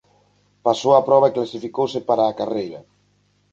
Pasou a proba e clasificouse para a carreira.